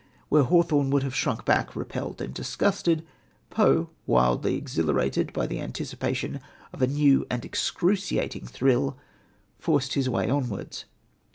Where Hawthorne would have shrunk back, repelled and disgusted, Poe, wildly exhilarated by the anticipation of a new and excruciating thrill, forced his way onwards.